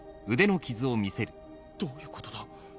どういうことだ？